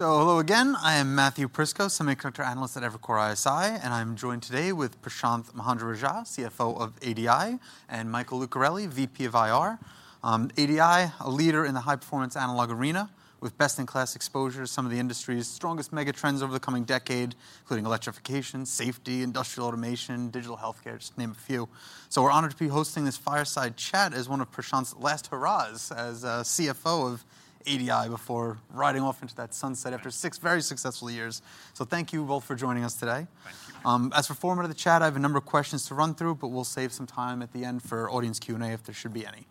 So hello again. I am Matthew Prisco, semiconductor analyst at Evercore ISI, and I'm joined today with Prashanth Mahendra-Rajah, CFO of ADI, and Michael Lucarelli, VP of IR. ADI, a leader in the high-performance analog arena, with best-in-class exposure to some of the industry's strongest mega trends over the coming decade, including electrification, safety, industrial automation, digital healthcare, just to name a few. So we're honored to be hosting this fireside chat as one of Prashanth's last hurrahs as CFO of ADI before riding off into that sunset- after six very successful years. So thank you both for joining us today. Thank you. As for format of the chat, I have a number of questions to run through, but we'll save some time at the end for audience Q&A, if there should be any.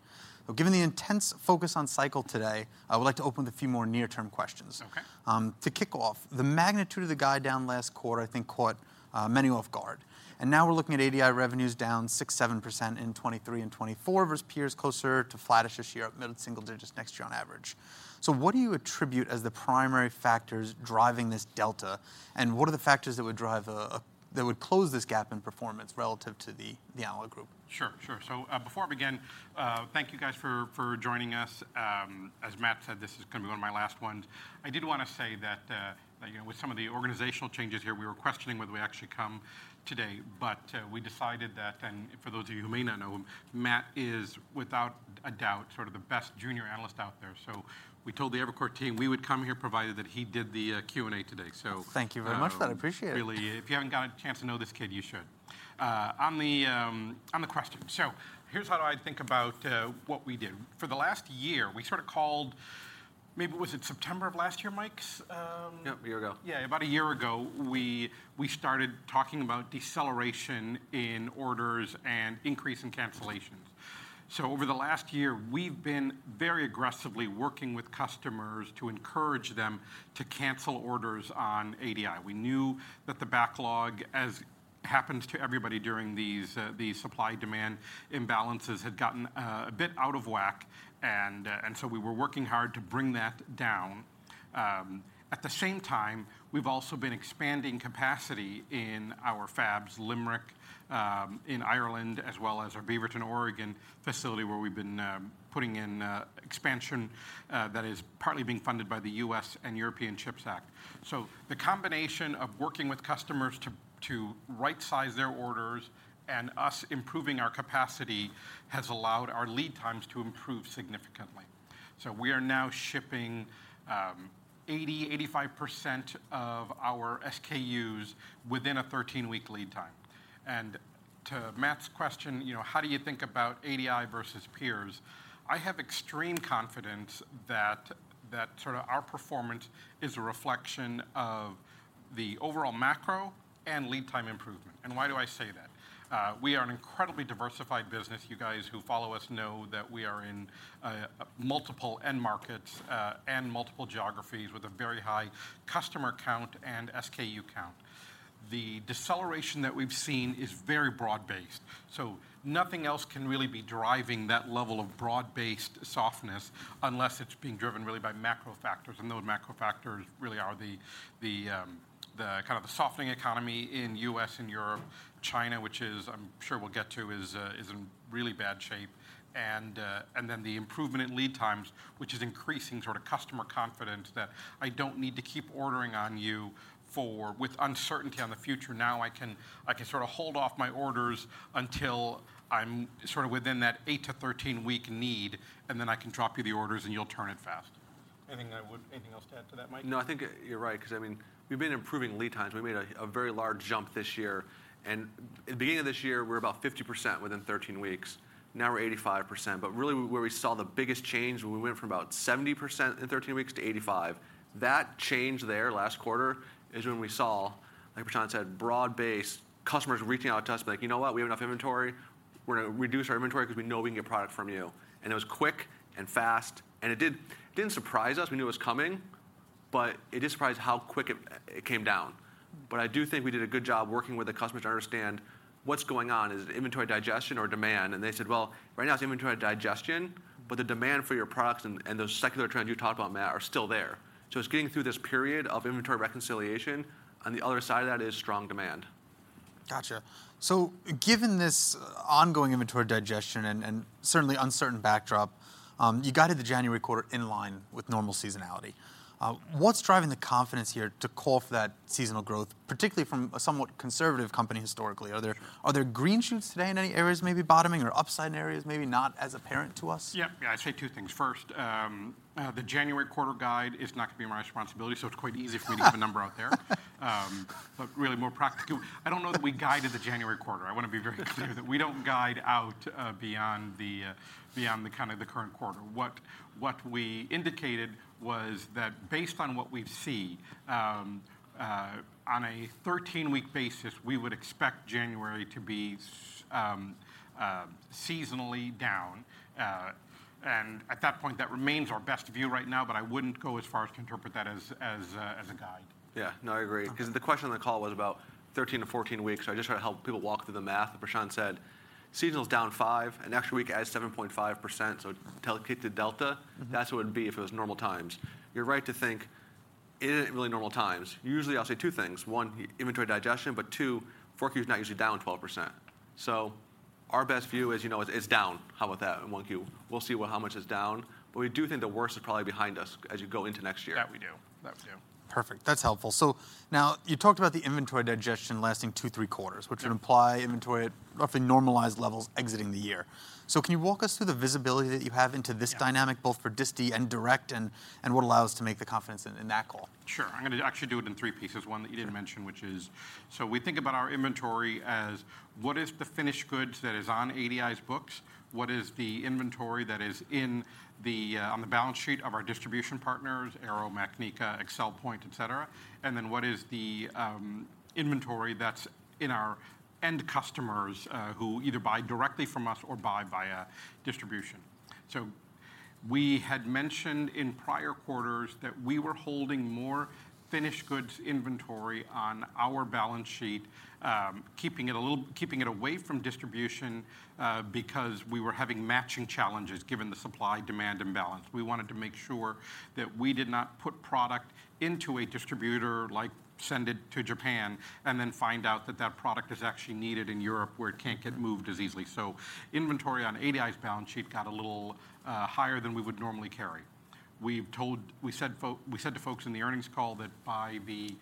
Given the intense focus on cycle today, I would like to open with a few more near-term questions. Okay. To kick off, the magnitude of the guide down last quarter, I think, caught many off guard, and now we're looking at ADI revenues down 6%-7% in 2023 and 2024 versus peers closer to flattish this year, up mid-single digits next year on average. So what do you attribute as the primary factors driving this delta, and what are the factors that would drive that would close this gap in performance relative to the, the analog group? Sure, sure. So, before I begin, thank you guys for joining us. As Matt said, this is gonna be one of my last ones. I did wanna say that, you know, with some of the organizational changes here, we were questioning whether we actually come today, but we decided that... And for those of you who may not know him, Matt is, without a doubt, sort of the best junior analyst out there. So we told the Evercore team we would come here, provided that he did the Q&A today. So- Thank you very much, I appreciate it. Really, if you haven't got a chance to know this kid, you should. On the question, so here's how I think about what we did. For the last year, we sort of called, maybe was it September of last year, Mike? Yep, a year ago. Yeah, about a year ago, we started talking about deceleration in orders and increase in cancellations. So over the last year, we've been very aggressively working with customers to encourage them to cancel orders on ADI. We knew that the backlog, as happens to everybody during these, these supply-demand imbalances, had gotten a bit out of whack, and so we were working hard to bring that down. At the same time, we've also been expanding capacity in our fabs, Limerick, in Ireland, as well as our Beaverton, Oregon, facility, where we've been putting in expansion that is partly being funded by the US and European CHIPS Act. So the combination of working with customers to right size their orders and us improving our capacity, has allowed our lead times to improve significantly. So we are now shipping 80%-85% of our SKUs within a 13-week lead time. And to Matt's question, you know, how do you think about ADI versus peers? I have extreme confidence that, that sort of our performance is a reflection of the overall macro and lead time improvement. And why do I say that? We are an incredibly diversified business. You guys who follow us know that we are in multiple end markets and multiple geographies, with a very high customer count and SKU count. The deceleration that we've seen is very broad-based, so nothing else can really be driving that level of broad-based softness unless it's being driven really by macro factors, and those macro factors really are the, the, the kind of the softening economy in US and Europe. China, which is I'm sure we'll get to, is, is in really bad shape. And, and then the improvement in lead times, which is increasing sort of customer confidence that I don't need to keep ordering on you for- with uncertainty on the future. Now, I can, I can sort of hold off my orders until I'm sort of within that 8- to 13-week need, and then I can drop you the orders, and you'll turn it fast. Anything else to add to that, Mike? No, I think you're right, 'cause I mean, we've been improving lead times. We made a, a very large jump this year, and at the beginning of this year, we were about 50% within 13 weeks. Now, we're 85%. But really, where we saw the biggest change, when we went from about 70% in 13 weeks to 85, that change there last quarter is when we saw, like Prashanth said, broad-based customers reaching out to us, like: "You know what? We have enough inventory. We're gonna reduce our inventory because we know we can get product from you." And it was quick and fast, and it did, it didn't surprise us. We knew it was coming, but it did surprise how quick it, it came down. But I do think we did a good job working with the customers to understand what's going on. Is it inventory digestion or demand? And they said, "Well, right now it's inventory digestion, but the demand for your products and, and those secular trends you talked about, Matt, are still there." So it's getting through this period of inventory reconciliation, on the other side of that is strong demand. Gotcha. So given this ongoing inventory digestion and certainly uncertain backdrop, you guided the January quarter in line with normal seasonality. What's driving the confidence here to call for that seasonal growth, particularly from a somewhat conservative company historically? Are there green shoots today in any areas, maybe bottoming or upside areas, maybe not as apparent to us? Yep. Yeah, I'd say two things. First, the January quarter guide is not gonna be my responsibility, so it's quite easy for me to have a number out there. But really more practically, I don't know that we guided the January quarter. I want to be very clear that we don't guide out beyond the kind of the current quarter. What we indicated was that based on what we see, on a 13-week basis, we would expect January to be seasonally down. And at that point, that remains our best view right now, but I wouldn't go as far as to interpret that as a guide. Yeah. No, I agree. Okay. 'Cause the question on the call was about 13-14 weeks. So I just try to help people walk through the math. Prashanth said seasonal is down five, and next week adds 7.5%, so to get the delta- Mm-hmm. That's what it would be if it was normal times. You're right to think it isn't really normal times. Usually, I'll say two things: one, inventory digestion, but two, forecast is not usually down 12%. So, our best view is, you know, it's, it's down. How about that in 1Q? We'll see how much is down, but we do think the worst is probably behind us as you go into next year. That we do. That we do. Perfect. That's helpful. So now, you talked about the inventory digestion lasting 2-3 quarters- Yeah -which would imply inventory at roughly normalized levels exiting the year. So can you walk us through the visibility that you have into this? Yeah Dynamic, both for disti and direct, and, and what allows to make the confidence in, in that call? Sure. I'm gonna actually do it in three pieces, one that you didn't mention- Sure -which is... So we think about our inventory as what is the finished goods that is on ADI's books? What is the inventory that is in the, on the balance sheet of our distribution partners, Arrow, Macnica, Excelpoint, et cetera? And then, what is the, inventory that's in our end customers, who either buy directly from us or buy via distribution? So we had mentioned in prior quarters that we were holding more finished goods inventory on our balance sheet, keeping it away from distribution, because we were having matching challenges, given the supply-demand imbalance. We wanted to make sure that we did not put product into a distributor, like send it to Japan, and then find out that that product is actually needed in Europe, where it can't get moved as easily. Inventory on ADI's balance sheet got a little higher than we would normally carry. We told-- We said to folks in the earnings call that by the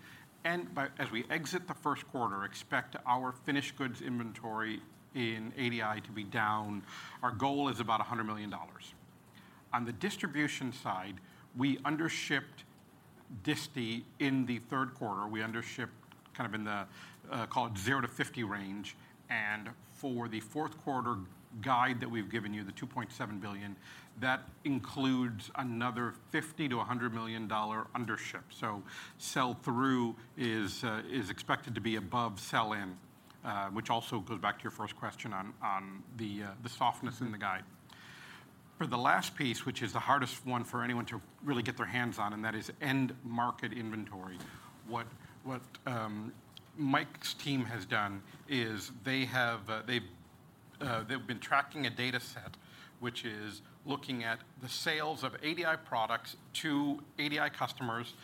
end... As we exit the first quarter, expect our finished goods inventory in ADI to be down. Our goal is about $100 million. On the distribution side, we undershipped disti in the third quarter. We undershipped kind of in the, call it 0-50 range, and for the fourth quarter guide that we've given you, the $2.7 billion, that includes another $50-$100 million undership. Sell-through is expected to be above sell-in, which also goes back to your first question on the softness in the guide. For the last piece, which is the hardest one for anyone to really get their hands on, and that is end market inventory, what Mike's team has done is they've been tracking a data set, which is looking at the sales of ADI products to ADI customers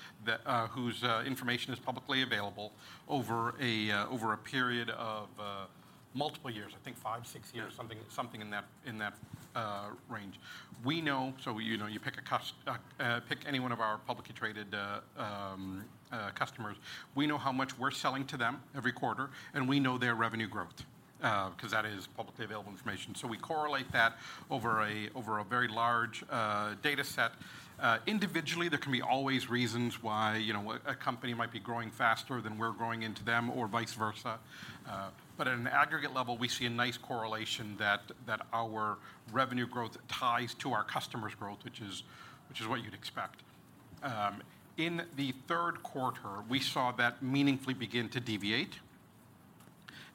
whose information is publicly available, over a period of multiple years, I think five, six years- Yeah... something, something in that range. We know... So, you know, you pick a customer—pick any one of our publicly traded customers, we know how much we're selling to them every quarter, and we know their revenue growth, 'cause that is publicly available information. So we correlate that over a very large data set. Individually, there can be always reasons why, you know, a company might be growing faster than we're growing into them or vice versa. But at an aggregate level, we see a nice correlation that our revenue growth ties to our customers' growth, which is what you'd expect. In the third quarter, we saw that meaningfully begin to deviate,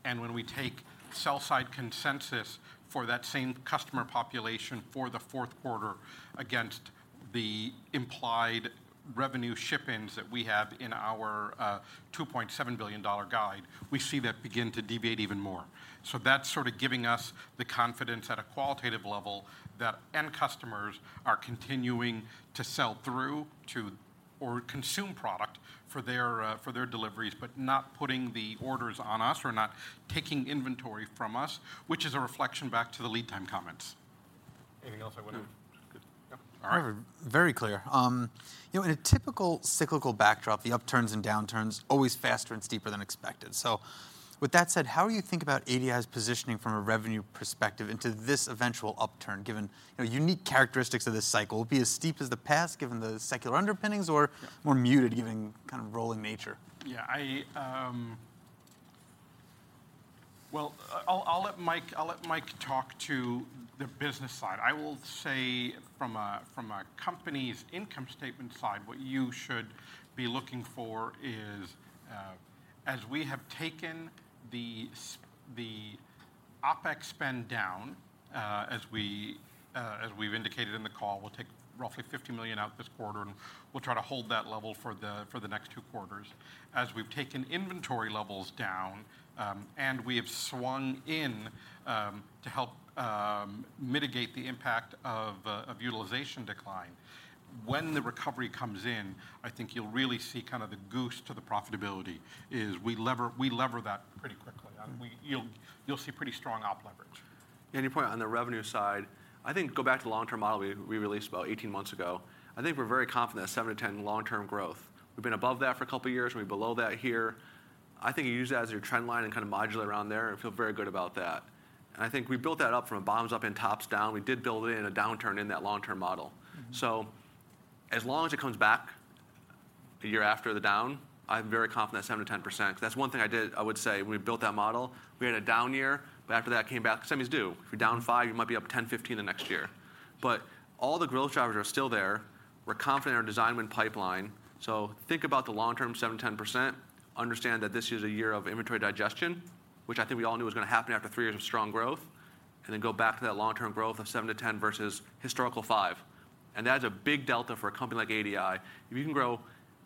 and when we take sell-side consensus for that same customer population for the fourth quarter against the implied revenue ship-ins that we have in our $2.7 billion guide, we see that begin to deviate even more. So that's sort of giving us the confidence at a qualitative level that end customers are continuing to sell-through to or consume product for their, for their deliveries, but not putting the orders on us or not taking inventory from us, which is a reflection back to the lead time comments. Anything else I would- No. Good. Yep. All right. Very clear. You know, in a typical cyclical backdrop, the upturns and downturns always faster and steeper than expected. So with that said, how do you think about ADI's positioning from a revenue perspective into this eventual upturn, given, you know, unique characteristics of this cycle? Will it be as steep as the past, given the secular underpinnings, or- Yeah... more muted, given kind of rolling nature? Yeah, well, I'll let Mike talk to the business side. I will say from a company's income statement side, what you should be looking for is, as we have taken the OpEx spend down, as we've indicated in the call, we'll take roughly $50 million out this quarter, and we'll try to hold that level for the next two quarters. As we've taken inventory levels down, and we have swung in to help mitigate the impact of utilization decline, when the recovery comes in, I think you'll really see kind of the boost to the profitability, is we leverage that pretty quickly, and you'll see pretty strong OpEx leverage. And your point on the revenue side, I think go back to the long-term model we released about 18 months ago. I think we're very confident that 7-10 long-term growth. We've been above that for a couple of years, and we're below that here. I think you use that as your trend line and kind of modulate around there, and feel very good about that. And I think we built that up from a bottoms up and tops down. We did build in a downturn in that long-term model. Mm-hmm. So as long as it comes back the year after the down, I'm very confident that 7%-10%, because that's one thing I did, I would say, when we built that model, we had a down year, but after that it came back, because some years do. If you're down five, you might be up 10, 15 the next year. But all the growth drivers are still there. We're confident in our design win pipeline. So think about the long-term 7%-10%. Understand that this is a year of inventory digestion, which I think we all knew was gonna happen after 3 years of strong growth, and then go back to that long-term growth of 7-10 versus historical five. And that's a big delta for a company like ADI. If you can grow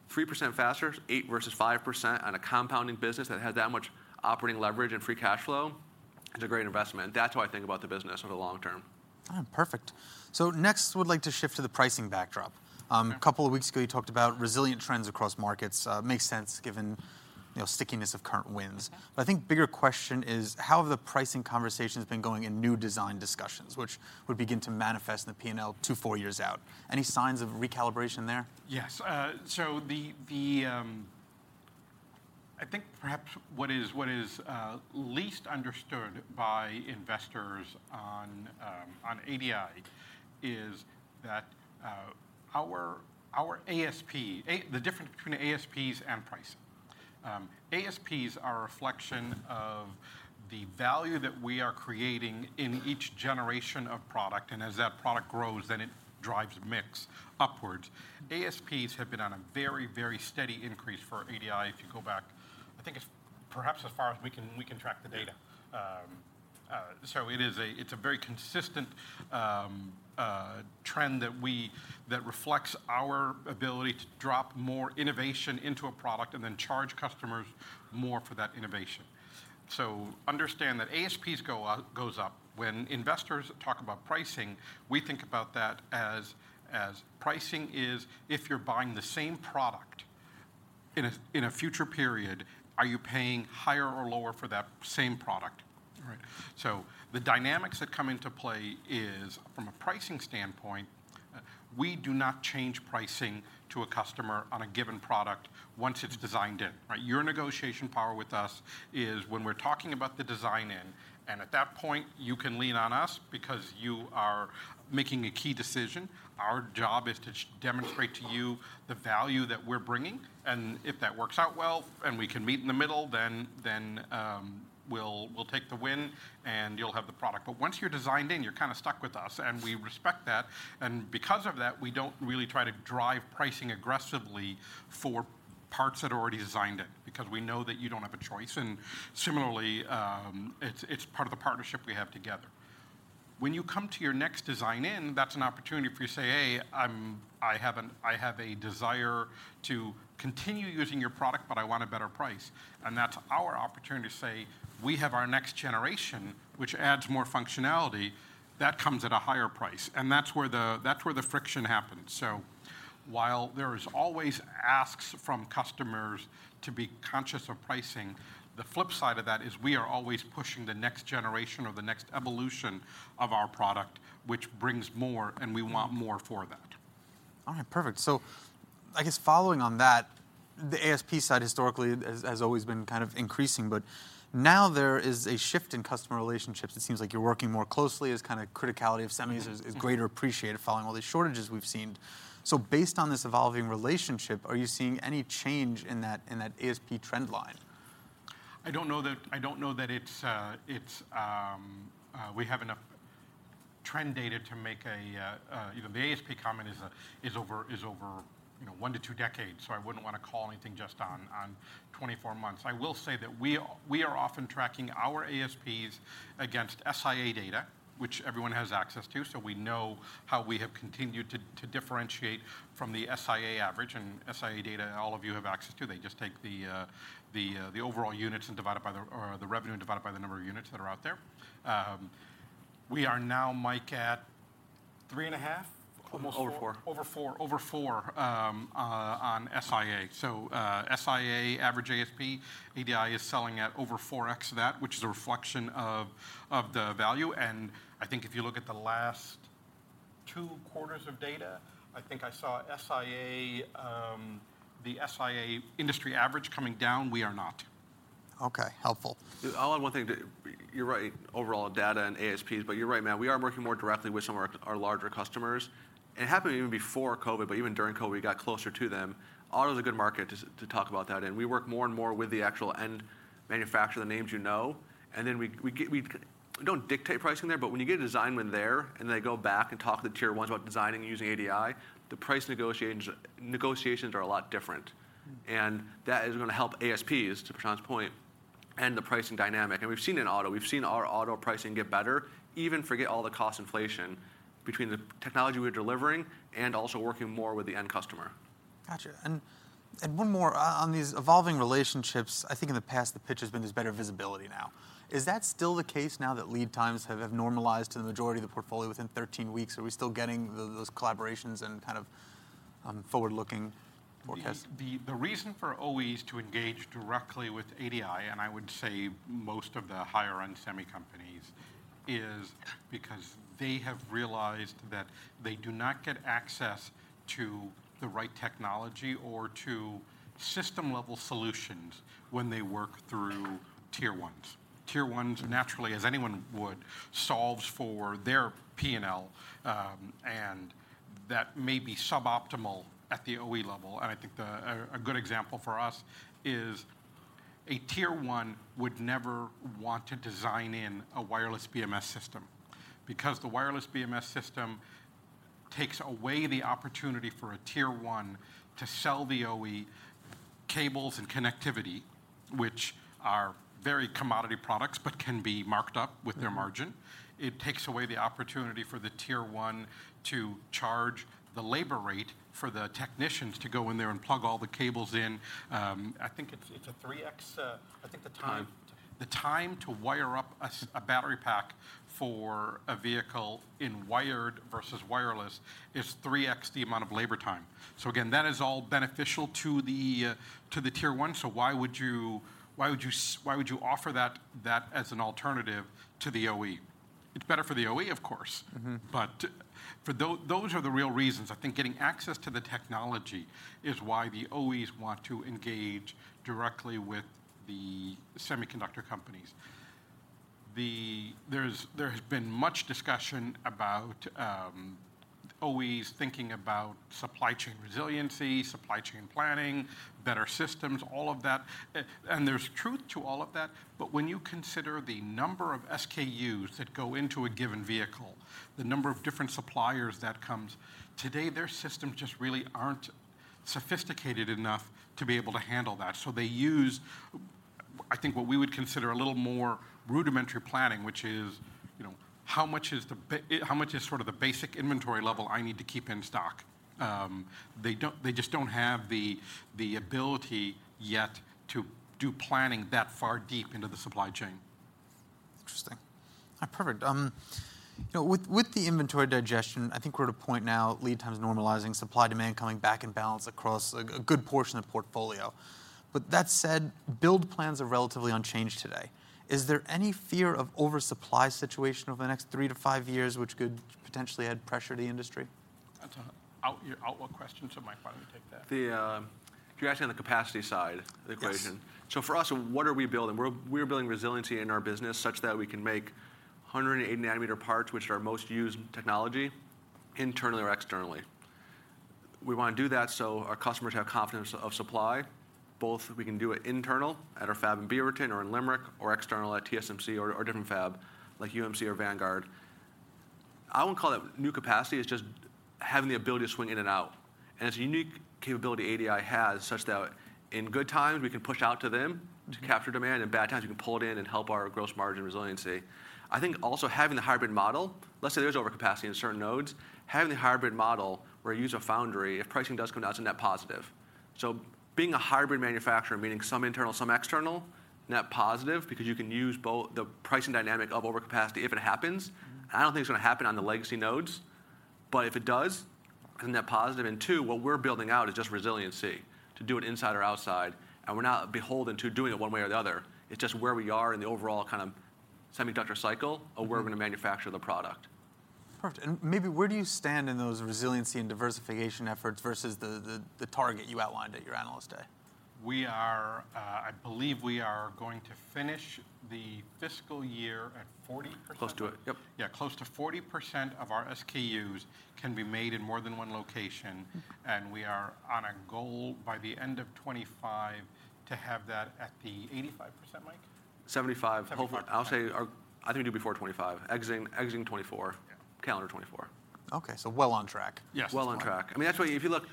3% faster, 8% versus 5% on a compounding business that has that much operating leverage and free cash flow, it's a great investment. That's how I think about the business over the long term. Ah, perfect. So next, we'd like to shift to the pricing backdrop. Okay. A couple of weeks ago, you talked about resilient trends across markets. Makes sense, given, you know, stickiness of current winds. Yeah. I think bigger question is: How have the pricing conversations been going in new design discussions, which would begin to manifest in the P&L 2-4 years out? Any signs of recalibration there? Yes. So the, I think perhaps what is least understood by investors on ADI is that our ASP, the difference between ASPs and pricing. ASPs are a reflection of the value that we are creating in each generation of product, and as that product grows, then it drives mix upwards. ASPs have been on a very, very steady increase for ADI. If you go back, I think it's perhaps as far as we can track the data. So it is—it's a very consistent trend that reflects our ability to drop more innovation into a product and then charge customers more for that innovation. So understand that ASPs go up, goes up. When investors talk about pricing, we think about that as pricing is if you're buying the same product in a future period, are you paying higher or lower for that same product? Right. So the dynamics that come into play is, from a pricing standpoint, we do not change pricing to a customer on a given product once it's designed in, right? Your negotiation power with us is when we're talking about the design in, and at that point, you can lean on us because you are making a key decision. Our job is to demonstrate to you the value that we're bringing, and if that works out well, and we can meet in the middle, then we'll take the win, and you'll have the product. But once you're designed in, you're kinda stuck with us, and we respect that, and because of that, we don't really try to drive pricing aggressively for parts that are already designed in, because we know that you don't have a choice, and similarly, it's part of the partnership we have together. When you come to your next design in, that's an opportunity for you to say, "Hey, I have a desire to continue using your product, but I want a better price." And that's our opportunity to say, "We have our next generation, which adds more functionality. That comes at a higher price," and that's where the friction happens. So while there is always asks from customers to be conscious of pricing, the flip side of that is we are always pushing the next generation or the next evolution of our product, which brings more, and we want more for that. All right, perfect. So I guess following on that, the ASP side historically has always been kind of increasing, but now there is a shift in customer relationships. It seems like you're working more closely as kind of criticality of semis is greater appreciated following all these shortages we've seen. So based on this evolving relationship, are you seeing any change in that ASP trend line? I don't know that it's we have enough trend data to make a... You know, the ASP comment is over, you know, 1-2 decades, so I wouldn't wanna call anything just on 24 months. I will say that we are often tracking our ASPs against SIA data, which everyone has access to, so we know how we have continued to differentiate from the SIA average. And SIA data, all of you have access to. They just take the overall units and divide it by the... or the revenue and divide it by the number of units that are out there. We are now, Mike, at 3.5, almost 4- Over four. Over four. Over four, on SIA. So, SIA average ASP, ADI is selling at over 4x of that, which is a reflection of the value, and I think if you look at the last two quarters of data, I think I saw SIA, the SIA industry average coming down. We are not. Okay. Helpful. I'll add one thing to... You're right, overall data and ASPs, but you're right, man. We are working more directly with some of our, our larger customers. It happened even before COVID, but even during COVID, we got closer to them. Auto is a good market to, to talk about that, and we work more and more with the actual end manufacturer, the names you know, and then we, we get- we don't dictate pricing there, but when you get a design win there, and they go back and talk to the tier ones about designing using ADI, the price negotiations are a lot different. Mm. That is gonna help ASPs, to Prashanth's point, and the pricing dynamic, and we've seen it in auto. We've seen our auto pricing get better, even forget all the cost inflation, between the technology we're delivering and also working more with the end customer. Gotcha, and one more. On these evolving relationships, I think in the past, the pitch has been there's better visibility now. Is that still the case now that lead times have normalized to the majority of the portfolio within 13 weeks? Are we still getting those collaborations and kind of forward-looking forecasts? The reason for OEs to engage directly with ADI, and I would say most of the higher-end semi companies, is because they have realized that they do not get access to the right technology or to system-level solutions when they work through Tier 1s. Tier Ones, naturally, as anyone would, solves for their P&L, and that may be suboptimal at the OE level, and I think a good example for us is a Tier 1 would never want to design in a wireless BMS system, because the wireless BMS system takes away the opportunity for a Tier 1 to sell the OE's cables and connectivity, which are very commodity products, but can be marked up with their margin. It takes away the opportunity for the Tier 1 to charge the labor rate for the technicians to go in there and plug all the cables in. I think it's a 3x. I think the time to wire up a battery pack for a vehicle in wired versus wireless is 3x the amount of labor time. So again, that is all beneficial to the Tier 1, so why would you offer that as an alternative to the OE? It's better for the OE, of course. Mm-hmm. But for... Those, those are the real reasons. I think getting access to the technology is why the OEs want to engage directly with the semiconductor companies. There has been much discussion about OEs thinking about supply chain resiliency, supply chain planning, better systems, all of that. And there's truth to all of that, but when you consider the number of SKUs that go into a given vehicle, the number of different suppliers that comes, today, their systems just really aren't sophisticated enough to be able to handle that. So they use, I think what we would consider a little more rudimentary planning, which is, you know, how much is sort of the basic inventory level I need to keep in stock? They don't, they just don't have the ability yet to do planning that far deep into the supply chain. Interesting. Perfect. You know, with the inventory digestion, I think we're at a point now, lead times normalizing, supply demand coming back in balance across a good portion of the portfolio. But that said, build plans are relatively unchanged today. Is there any fear of oversupply situation over the next three to five years, which could potentially add pressure to the industry? That's an out-year outlook question, so Mike, why don't you take that? If you're asking on the capacity side of the equation- Yes. So for us, what are we building? We're building resiliency in our business such that we can make 180-nanometer parts, which are our most used technology, internally or externally. We want to do that so our customers have confidence of supply. Both, we can do it internal at our fab in Beaverton or in Limerick, or external at TSMC or a different fab, like UMC or Vanguard. I wouldn't call that new capacity, it's just having the ability to swing in and out. And it's a unique capability ADI has, such that in good times, we can push out to them to capture demand, in bad times, we can pull it in and help our gross margin resiliency. I think also having the hybrid model, let's say there's overcapacity in certain nodes, having the hybrid model where you use a foundry, if pricing does come down, it's a net positive. So being a hybrid manufacturer, meaning some internal, some external, net positive, because you can use both the pricing dynamic of overcapacity if it happens. I don't think it's gonna happen on the legacy nodes, but if it does, net positive. And two, what we're building out is just resiliency, to do it inside or outside, and we're not beholden to doing it one way or the other. It's just where we are in the overall kind of semiconductor cycle of where we're gonna manufacture the product. Perfect. And maybe where do you stand in those resiliency and diversification efforts versus the target you outlined at your Analyst Day? We are, I believe we are going to finish the fiscal year at 40%? Close to it. Yep. Yeah, close to 40% of our SKUs can be made in more than one location, and we are on a goal by the end of 2025 to have that at the 85%, Mike? Seventy-five. Seventy-five. I'll say, our - I think it will be before 2025. Exiting 2024. Yeah. Calendar 2024. Okay, so well on track. Yes. Well on track. I mean, actually, if you look-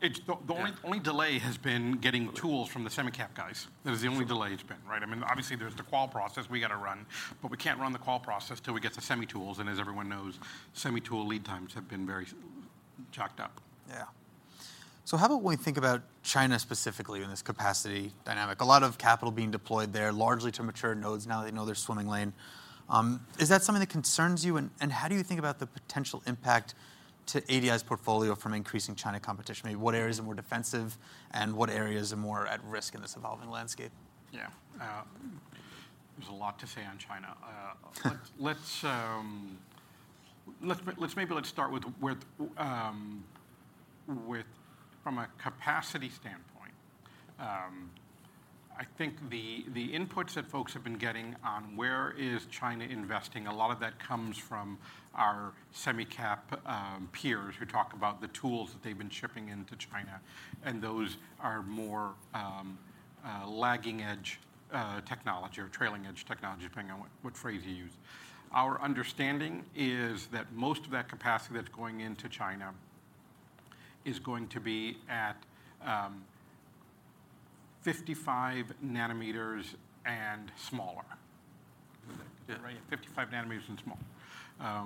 It's the only- Yeah Only delay has been getting tools from the semicap guys. That is the only delay it's been, right? I mean, obviously, there's the qual process we gotta run, but we can't run the qual process till we get the semi tools, and as everyone knows, semi tool lead times have been very choked up. Yeah. So how about when we think about China specifically in this capacity dynamic? A lot of capital being deployed there, largely to mature nodes. Now they know their swimming lane. Is that something that concerns you, and, and how do you think about the potential impact to ADI's portfolio from increasing China competition? Maybe what areas are more defensive, and what areas are more at risk in this evolving landscape? Yeah, there's a lot to say on China. Let's maybe start with from a capacity standpoint. I think the inputs that folks have been getting on where China is investing, a lot of that comes from our semicap peers, who talk about the tools that they've been shipping into China, and those are more lagging edge technology or trailing edge technology, depending on what phrase you use. Our understanding is that most of that capacity that's going into China is going to be at 55 nanometers and smaller. Is that right? 55 nanometers and smaller.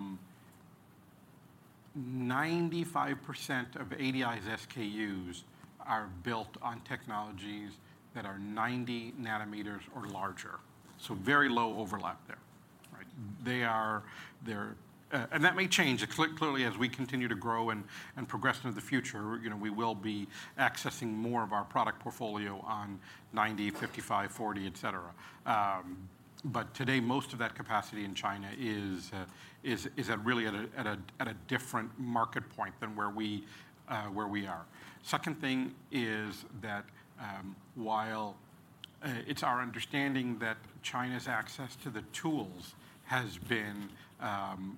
95% of ADI's SKUs are built on technologies that are 90 nanometers or larger, so very low overlap there, right? And that may change. Clearly, as we continue to grow and progress into the future, you know, we will be accessing more of our product portfolio on 90, 55, 40, et cetera. But today, most of that capacity in China is really at a different market point than where we are. Second thing is that, while it's our understanding that China's access to the tools has been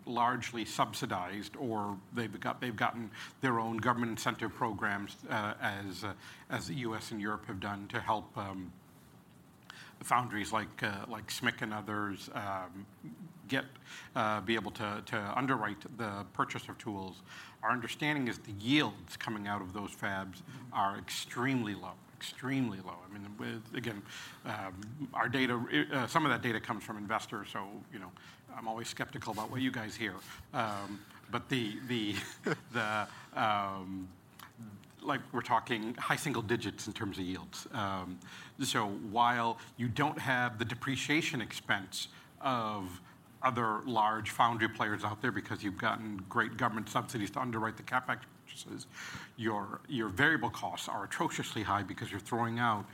largely subsidized or they've gotten their own government incentive programs, as the U.S. and Europe have done to help the foundries like SMIC and others be able to underwrite the purchase of tools. Our understanding is the yields coming out of those fabs are extremely low, extremely low. I mean, with, again, our data, some of that data comes from investors, so, you know, I'm always skeptical about what you guys hear. But the, like, we're talking high single digits in terms of yields. So while you don't have the depreciation expense of other large foundry players out there because you've gotten great government subsidies to underwrite the CapEx purchases, your variable costs are atrociously high because you're throwing out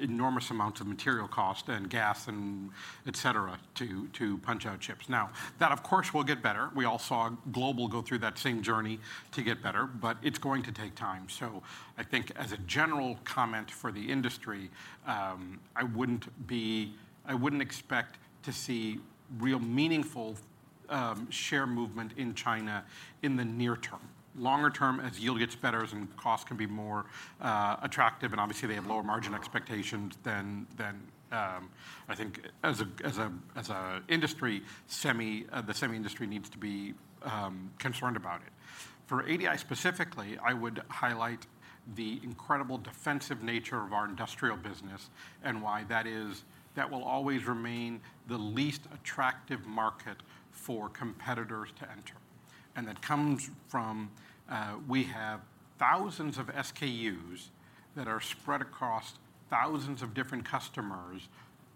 enormous amounts of material cost and gas and et cetera to punch out chips. Now, that, of course, will get better. We all saw Global go through that same journey to get better, but it's going to take time. So I think as a general comment for the industry, I wouldn't be- I wouldn't expect to see real meaningful share movement in China in the near term. Longer term, as yield gets better and costs can be more attractive, and obviously, they have lower margin expectations than, than, I think as an industry, the semi industry needs to be concerned about it. For ADI specifically, I would highlight the incredible defensive nature of our industrial business and why that is. That will always remain the least attractive market for competitors to enter. And that comes from we have thousands of SKUs that are spread across thousands of different customers,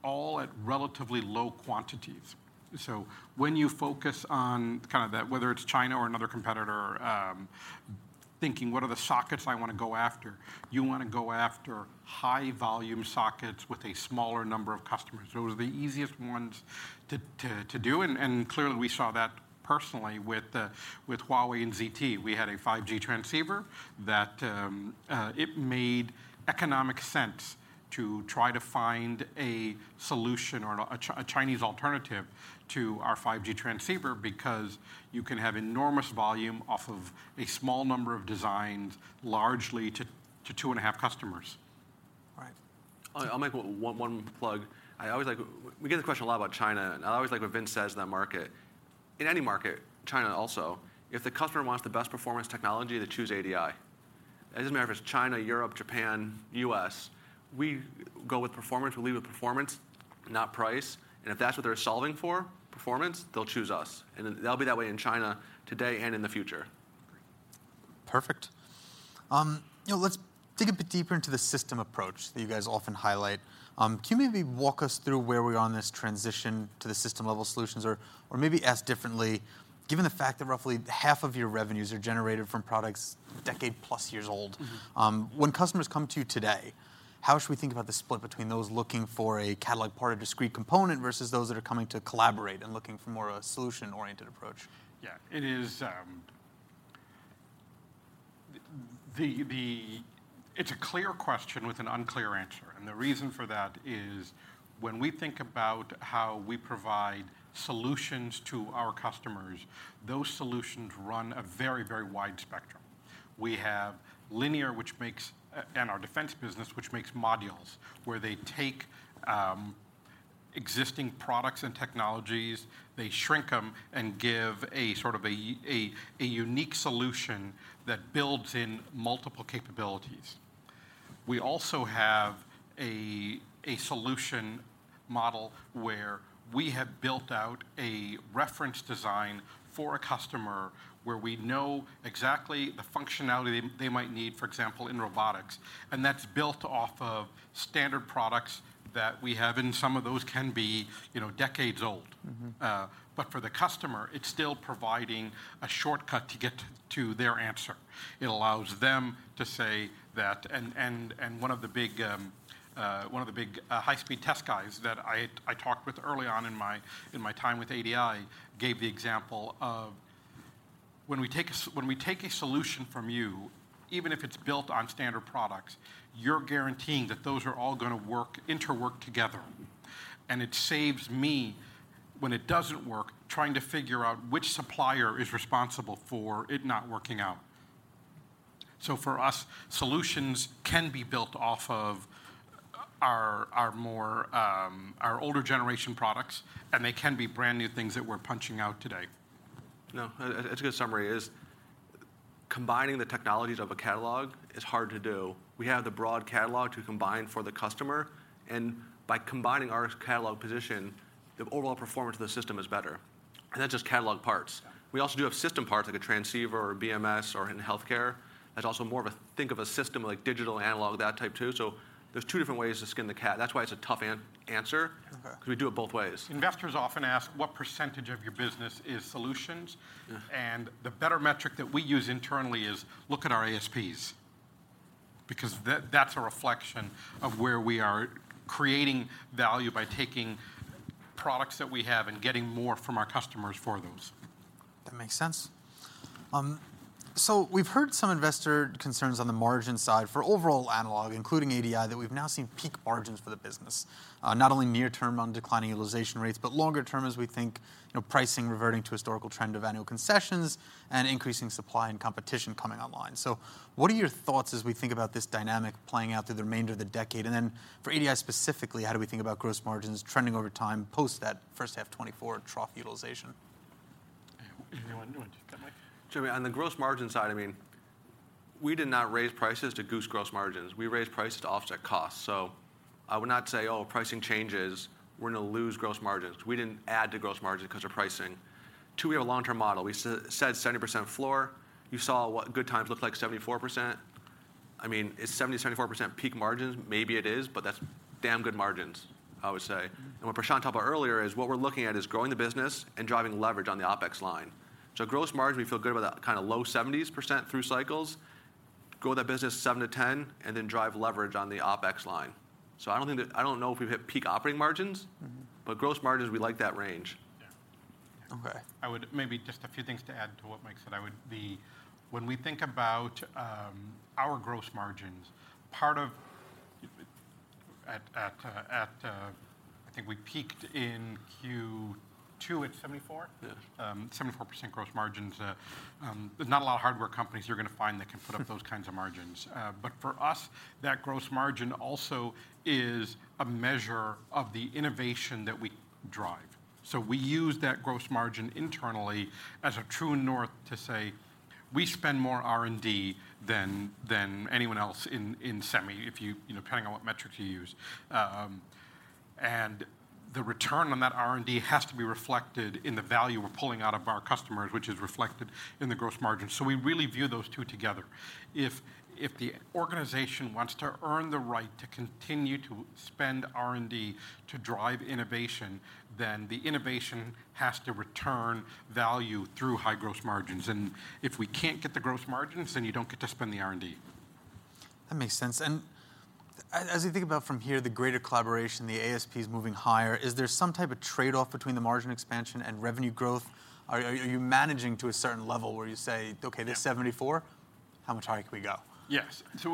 all at relatively low quantities. So when you focus on kind of that, whether it's China or another competitor, thinking, "What are the sockets I want to go after?" You want to go after high-volume sockets with a smaller number of customers. Those are the easiest ones to do, and clearly, we saw that personally with Huawei and ZTE. We had a 5G transceiver that it made economic sense to try to find a solution or a Chinese alternative to our 5G transceiver because you can have enormous volume off of a small number of designs, largely to two and a half customers. Right. I'll make one plug. I always like what Vince says in that market. In any market, China also, if the customer wants the best performance technology, they choose ADI. It doesn't matter if it's China, Europe, Japan, U.S., we go with performance. We lead with performance, not price, and if that's what they're solving for, performance, they'll choose us, and that'll be that way in China today and in the future. Perfect. You know, let's dig a bit deeper into the system approach that you guys often highlight. Can you maybe walk us through where we are on this transition to the system-level solutions? Or maybe asked differently, given the fact that roughly half of your revenues are generated from products a decade-plus years old. Mm-hmm. When customers come to you today, how should we think about the split between those looking for a catalog part or discrete component versus those that are coming to collaborate and looking for more a solution-oriented approach? Yeah, it is. It's a clear question with an unclear answer, and the reason for that is, when we think about how we provide solutions to our customers, those solutions run a very, very wide spectrum. We have linear, which makes, and our defense business, which makes modules, where they take, existing products and technologies, they shrink them, and give a sort of a unique solution that builds in multiple capabilities. We also have a solution model where we have built out a reference design for a customer, where we know exactly the functionality they might need, for example, in robotics, and that's built off of standard products that we have, and some of those can be, you know, decades old. Mm-hmm. But for the customer, it's still providing a shortcut to get to their answer. It allows them to say that... And one of the big high-speed test guys that I talked with early on in my time with ADI gave the example of, "When we take a solution from you, even if it's built on standard products, you're guaranteeing that those are all gonna work, interwork together. And it saves me, when it doesn't work, trying to figure out which supplier is responsible for it not working out." So for us, solutions can be built off of our older generation products, and they can be brand-new things that we're punching out today. No, it's a good summary, is combining the technologies of a catalog is hard to do. We have the broad catalog to combine for the customer, and by combining our catalog position, the overall performance of the system is better, and that's just catalog parts. We also do have system parts, like a transceiver or BMS or in healthcare. That's also more of a think of a system like digital analog, that type too. So there's two different ways to skin the cat. That's why it's a tough answer- Okay... because we do it both ways. Investors often ask what percentage of your business is solutions? Yeah. The better metric that we use internally is look at our ASPs, because that's a reflection of where we are creating value by taking products that we have and getting more from our customers for those. That makes sense. So we've heard some investor concerns on the margin side for overall analog, including ADI, that we've now seen peak margins for the business. Not only near term on declining utilization rates, but longer term, as we think, you know, pricing reverting to historical trend of annual concessions and increasing supply and competition coming online. So what are your thoughts as we think about this dynamic playing out through the remainder of the decade? And then for ADI specifically, how do we think about gross margins trending over time post that first half 2024 trough utilization? On the gross margin side, I mean, we did not raise prices to goose gross margins. We raised prices to offset costs. So I would not say, "Oh, pricing changes, we're gonna lose gross margins." We didn't add to gross margin 'cause of pricing. Two, we have a long-term model. We said 70% floor. You saw what good times looked like 74%. I mean, is 70%-74% peak margins? Maybe it is, but that's damn good margins, I would say. And what Prashanth talked about earlier is what we're looking at is growing the business and driving leverage on the OpEx line. So gross margin, we feel good about that kinda low 70s% through cycles, grow that business 7-10, and then drive leverage on the OpEx line. So I don't know if we've hit peak operating margins. Mm-hmm. but gross margins, we like that range. Yeah. Okay. I would maybe just a few things to add to what Mike said. When we think about our gross margins, part of that, I think we peaked in Q2 at 74%. Yeah. 74% gross margins. There's not a lot of hardware companies you're gonna find that can put up those kinds of margins. But for us, that gross margin also is a measure of the innovation that we drive. So we use that gross margin internally as a true north to say, we spend more R&D than anyone else in semi, if you-- you know, depending on what metric you use. And the return on that R&D has to be reflected in the value we're pulling out of our customers, which is reflected in the gross margin. So we really view those two together. If the organization wants to earn the right to continue to spend R&D to drive innovation, then the innovation has to return value through high gross margins, and if we can't get the gross margins, then you don't get to spend the R&D. That makes sense. And as you think about from here, the greater collaboration, the ASP is moving higher, is there some type of trade-off between the margin expansion and revenue growth? Are you managing to a certain level where you say, "Okay, this 74, how much higher can we go? Yes. So,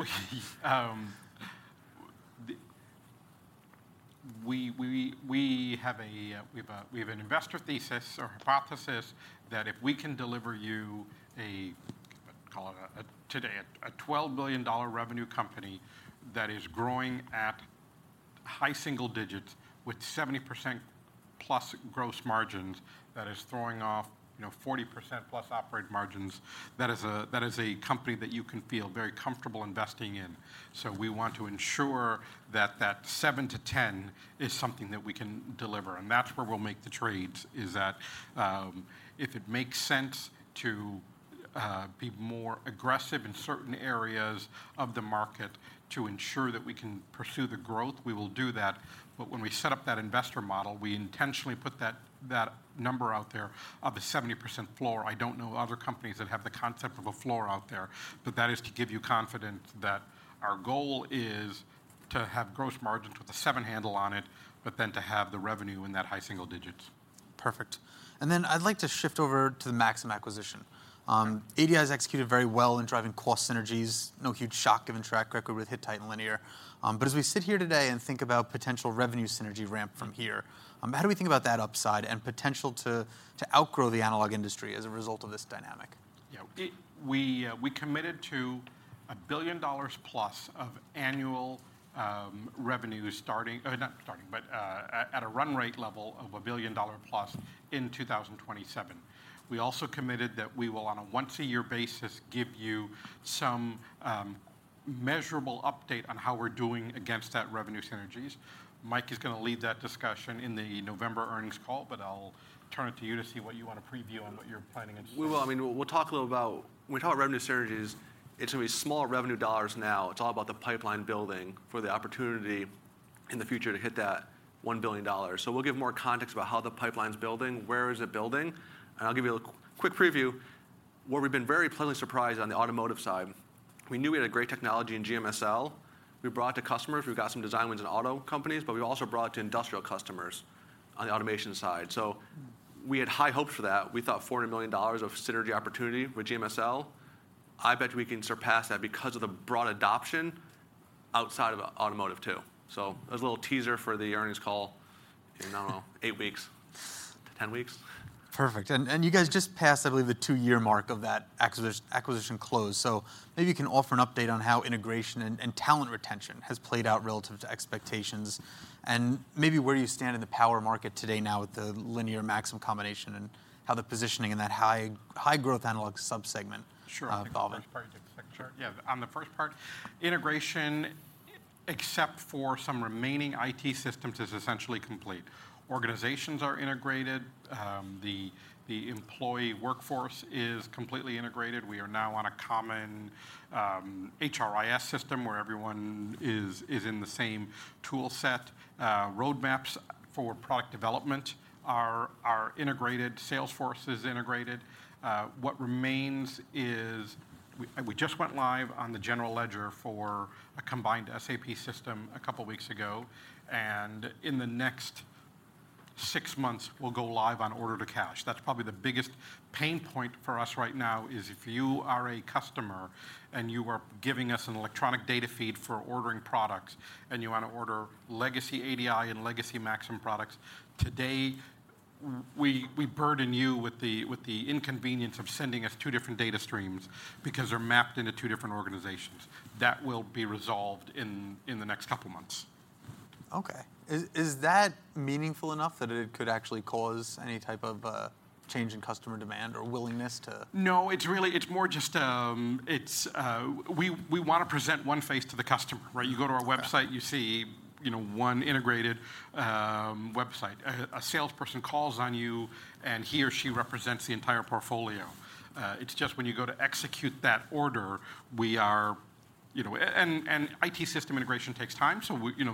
we have an investor thesis or hypothesis that if we can deliver you a, call it a, today, a $12 billion revenue company that is growing at high single digits with 70%+ gross margins, that is throwing off, you know, 40%+ operating margins, that is a, that is a company that you can feel very comfortable investing in. So we want to ensure that that 7-10 is something that we can deliver, and that's where we'll make the trades, is that, if it makes sense to be more aggressive in certain areas of the market to ensure that we can pursue the growth, we will do that. But when we set up that investor model, we intentionally put that, that number out there of a 70% floor. I don't know other companies that have the concept of a floor out there, but that is to give you confidence that our goal is to have gross margins with a seven handle on it, but then to have the revenue in that high single digits. Perfect. And then I'd like to shift over to the Maxim acquisition. ADI has executed very well in driving cost synergies. No huge shock, given track record with Hittite and Linear. But as we sit here today and think about potential revenue synergy ramp from here, how do we think about that upside and potential to outgrow the analog industry as a result of this dynamic? Yeah, we committed to $1 billion plus of annual revenue at a run rate level of $1 billion plus in 2027. We also committed that we will, on a once-a-year basis, give you some measurable update on how we're doing against that revenue synergies. Mike is gonna lead that discussion in the November earnings call, but I'll turn it to you to see what you want to preview and what you're planning in- We will. I mean, we'll talk a little about... When we talk about revenue synergies, it's gonna be small revenue dollars now. It's all about the pipeline building for the opportunity in the future to hit that $1 billion. So we'll give more context about how the pipeline's building, where is it building, and I'll give you a quick preview. Where we've been very pleasantly surprised on the automotive side, we knew we had a great technology in GMSL. We brought to customers, we've got some design wins in auto companies, but we've also brought to industrial customers on the automation side. So we had high hopes for that. We thought $400 million of synergy opportunity with GMSL. I bet we can surpass that because of the broad adoption outside of automotive, too. So as a little teaser for the earnings call in, I don't know, 8-10 weeks. Perfect. And, and you guys just passed, I believe, the two-year mark of that acquisition close. So maybe you can offer an update on how integration and, and talent retention has played out relative to expectations, and maybe where you stand in the power market today now with the Linear-Maxim combination and how the positioning in that high, high growth analog subsegment- Sure. involved. On the first part, yeah. On the first part, integration, except for some remaining IT systems, is essentially complete. Organizations are integrated, the employee workforce is completely integrated. We are now on a common HRIS system where everyone is in the same tool set. Roadmaps for product development are integrated, Salesforce is integrated. What remains is we just went live on the general ledger for a combined SAP system a couple weeks ago, and in the next six months, we'll go live on order to cash. That's probably the biggest pain point for us right now, is if you are a customer and you are giving us an electronic data feed for ordering products, and you want to order legacy ADI and legacy Maxim products. Today, we burden you with the inconvenience of sending us two different data streams because they're mapped into two different organizations. That will be resolved in the next couple months. Okay. Is that meaningful enough that it could actually cause any type of change in customer demand or willingness to- No, it's really, it's more just, we wanna present one face to the customer, right? Yeah. You go to our website, you see, you know, one integrated website. A salesperson calls on you, and he or she represents the entire portfolio. It's just when you go to execute that order, we are, you know, IT system integration takes time.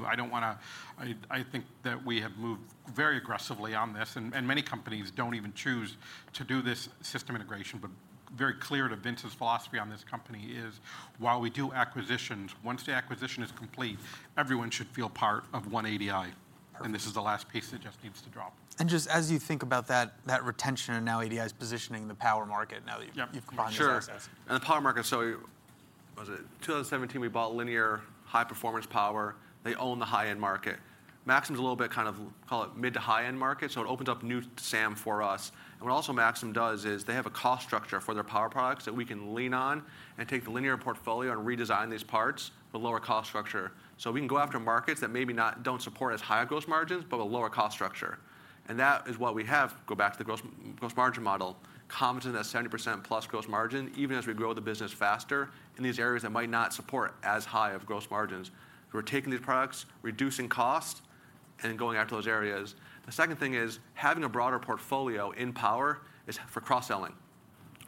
I don't wanna—I think that we have moved very aggressively on this, and many companies don't even choose to do this system integration. But very clear to Vince's philosophy on this company is, while we do acquisitions, once the acquisition is complete, everyone should feel part of one ADI. Perfect. This is the last piece that just needs to drop. Just as you think about that, that retention and now ADI's positioning in the power market now that you've- Yeah. you've bought these assets. Sure. And the power market, so was it 2017, we bought Linear Technology. They own the high-end market. Maxim's a little bit kind of, call it, mid-to-high-end market, so it opens up new SAM for us. And what also Maxim does is they have a cost structure for their power products that we can lean on and take the Linear portfolio and redesign these parts with lower cost structure. So we can go after markets that maybe don't support as high gross margins, but with lower cost structure. And that is what we have, go back to the gross, gross margin model, comfortable at 70%+ gross margin, even as we grow the business faster in these areas that might not support as high of gross margins. We're taking these products, reducing cost, and going after those areas. The second thing is, having a broader portfolio in power is for cross-selling.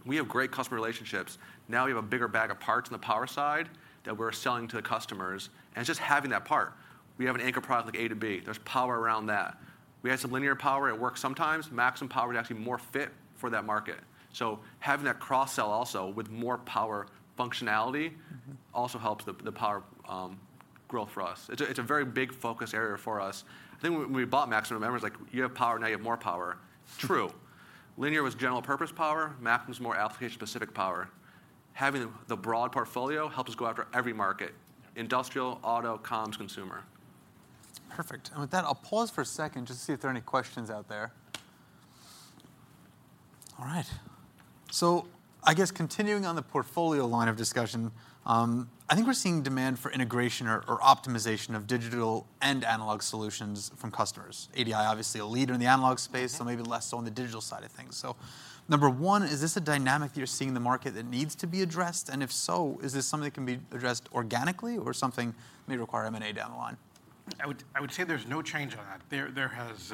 We have great customer relationships. Now, we have a bigger bag of parts on the power side that we're selling to the customers, and it's just having that part. We have an anchor product like A2B. There's power around that. We had some Linear power, it works sometimes. Maxim Power is actually more fit for that market. So having that cross-sell also with more power functionality- Mm-hmm Also helps the, the power growth for us. It's a, it's a very big focus area for us. I think when, when we bought Maxim, everyone was like: "You have power, now you have more power." True. Linear was general purpose power, Maxim's more application-specific power. Having the, the broad portfolio helps us go after every market: industrial, auto, comms, consumer. Perfect. With that, I'll pause for a second just to see if there are any questions out there. All right. I guess continuing on the portfolio line of discussion, I think we're seeing demand for integration or optimization of digital and analog solutions from customers. ADI, obviously, a leader in the analog space- Mm-hmm Soo maybe less so on the digital side of things. So number one, is this a dynamic that you're seeing in the market that needs to be addressed? And if so, is this something that can be addressed organically or something may require M&A down the line? I would say there's no change on that. There has,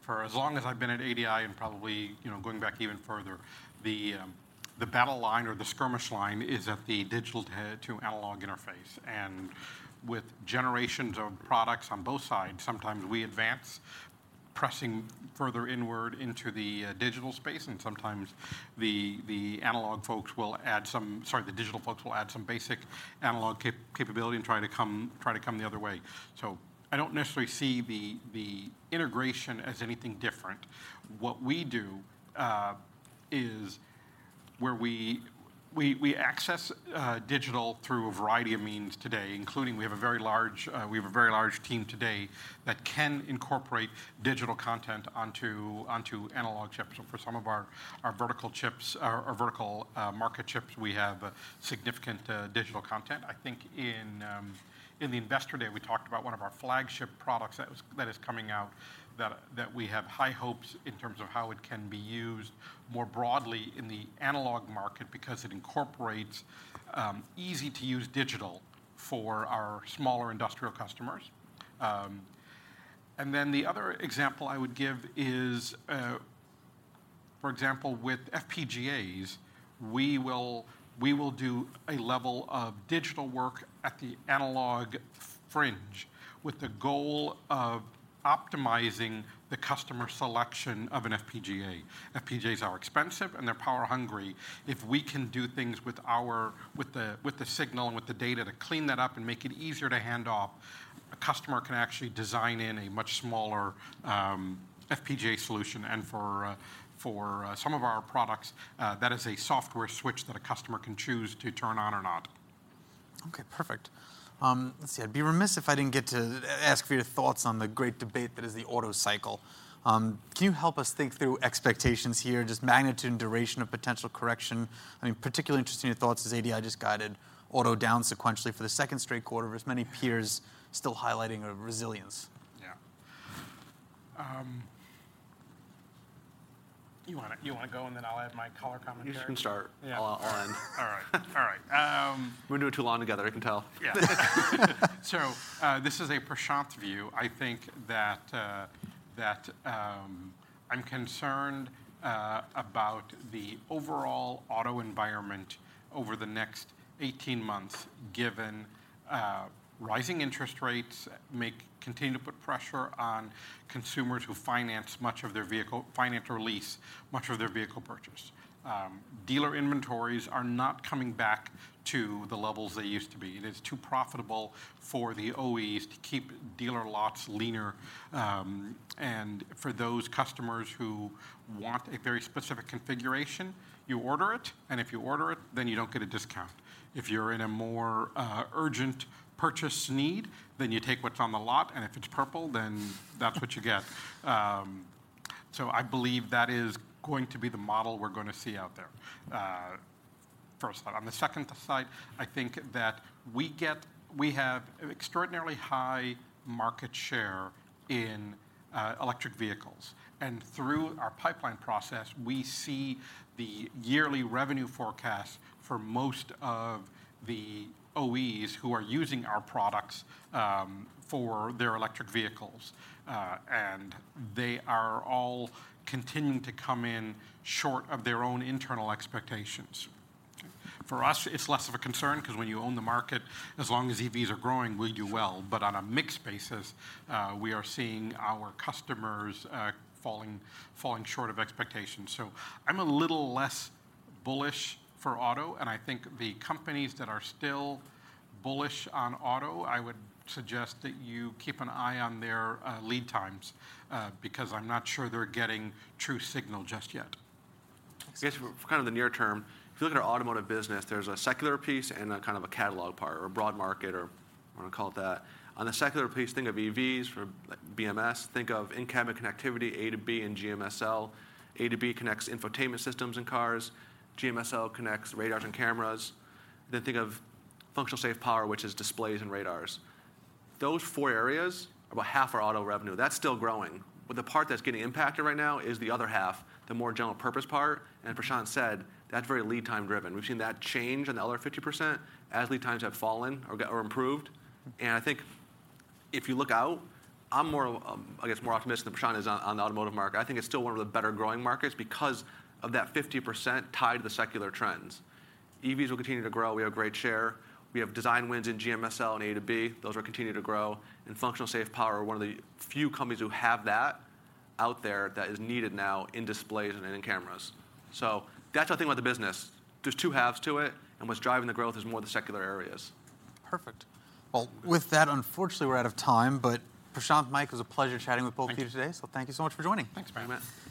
for as long as I've been at ADI and probably, you know, going back even further, the battle line or the skirmish line is at the digital to analog interface. And with generations of products on both sides, sometimes we advance, pressing further inward into the digital space, and sometimes the analog folks will add some—sorry, the digital folks will add some basic analog capability and try to come the other way. So I don't necessarily see the integration as anything different. What we do is where we access digital through a variety of means today, including we have a very large team today that can incorporate digital content onto analog chips. So for some of our vertical chips, our vertical market chips, we have significant digital content. I think in the Investor Day, we talked about one of our flagship products that is coming out, that we have high hopes in terms of how it can be used more broadly in the analog market because it incorporates easy-to-use digital for our smaller industrial customers. And then the other example I would give is, for example, with FPGAs, we will do a level of digital work at the analog fringe, with the goal of optimizing the customer selection of an FPGA. FPGAs are expensive, and they're power hungry. If we can do things with our with the signal and with the data to clean that up and make it easier to hand off, a customer can actually design in a much smaller FPGA solution. And for some of our products, that is a software switch that a customer can choose to turn on or not. Okay, perfect. Let's see. I'd be remiss if I didn't get to ask for your thoughts on the great debate that is the auto cycle. Can you help us think through expectations here, just magnitude and duration of potential correction? I mean, particularly interested in your thoughts as ADI just guided auto down sequentially for the second straight quarter, with many peers still highlighting a resilience. Yeah. You wanna, you wanna go, and then I'll add my color commentary? You can start. Yeah. I'll end. All right, all right. We've been doing it too long together, I can tell. Yeah. So, this is a Prashanth view. I think that that, I'm concerned about the overall auto environment over the next 18 months, given rising interest rates continue to put pressure on consumers who finance or lease much of their vehicle purchase. Dealer inventories are not coming back to the levels they used to be. It is too profitable for the OEs to keep dealer lots leaner. And for those customers who want a very specific configuration, you order it, and if you order it, then you don't get a discount. If you're in a more urgent purchase need, then you take what's on the lot, and if it's purple, then that's what you get. So I believe that is going to be the model we're gonna see out there. First thought. On the second thought, I think that we have extraordinarily high market share in electric vehicles, and through our pipeline process, we see the yearly revenue forecast for most of the OEs who are using our products for their electric vehicles. They are all continuing to come in short of their own internal expectations. For us, it's less of a concern, 'cause when you own the market, as long as EVs are growing, we do well. But on a mixed basis, we are seeing our customers falling short of expectations. So I'm a little less bullish for auto, and I think the companies that are still bullish on auto, I would suggest that you keep an eye on their lead times, because I'm not sure they're getting true signal just yet. I guess for kind of the near term, if you look at our automotive business, there's a secular piece and a kind of a catalog part or a broad market, or if you wanna call it that. On the secular piece, think of EVs for, like, BMS, think of in-cabin connectivity, A2B and GMSL. A2B connects infotainment systems in cars, GMSL connects radars and cameras. Then think of functionally safe power, which is displays and radars. Those four areas are about half our auto revenue. That's still growing, but the part that's getting impacted right now is the other half, the more general purpose part, and Prashanth said, that's very lead time driven. We've seen that change in the other 50% as lead times have fallen or improved. I think if you look out, I'm more, I guess, more optimistic than Prashanth is on the automotive market. I think it's still one of the better growing markets because of that 50% tied to the secular trends. EVs will continue to grow. We have great share. We have design wins in GMSL and A2B. Those will continue to grow. In functionally safe power, we're one of the few companies who have that out there that is needed now in displays and in cameras. So that's the thing about the business. There's two halves to it, and what's driving the growth is more the secular areas. Perfect. Well, with that, unfortunately, we're out of time, but Prashanth, Mike, it was a pleasure chatting with both of you today. Thank you. Thank you so much for joining. Thanks very much. Thanks.